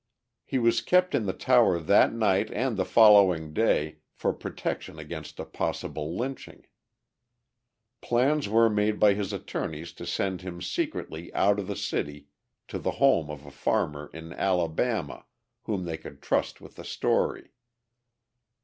He was kept in the tower that night and the following day for protection against a possible lynching. Plans were made by his attorneys to send him secretly out of the city to the home of a farmer in Alabama, whom they could trust with the story.